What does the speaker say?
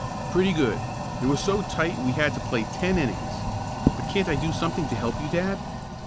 "Pretty good. It was so tight we had to play ten innings. But can't I do something to help you, dad?"